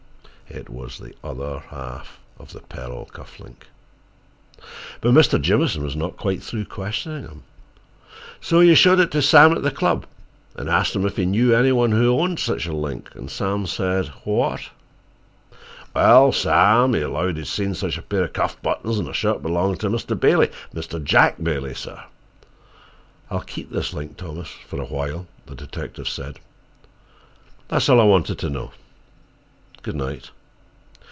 It was the other half of the pearl cuff link! But Mr. Jamieson was not quite through questioning him. "And so you showed it to Sam, at the club, and asked him if he knew any one who owned such a link, and Sam said—what?" "Wal, Sam, he 'lowed he'd seen such a pair of cuff buttons in a shirt belongin' to Mr. Bailey—Mr. Jack Bailey, sah." "I'll keep this link, Thomas, for a while," the detective said. "That's all I wanted to know. Good night."